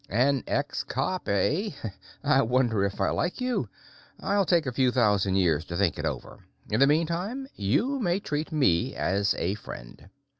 "An ex cop, eh? I wonder if I like you? I'll take a few thousand years to think it over; in the meantime, you may treat me as a friend."